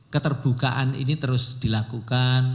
keterbukaan ini terus dilakukan